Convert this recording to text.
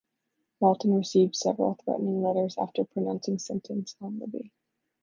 Walton received several threatening letters after pronouncing sentence on Libby.